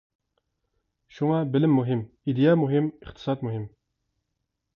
شۇڭا بىلىم مۇھىم، ئىدىيە مۇھىم، ئىقتىساد مۇھىم.